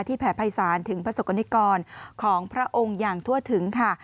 แผ่ภัยศาลถึงประสบกรณิกรของพระองค์อย่างทั่วถึงค่ะ